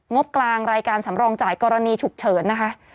งบกลางรายการสำรองจ่ายกรณีฉุกเฉินนะคะ